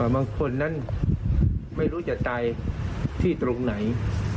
บางคนนั้นไม่รู้จะตายที่ตรงไหน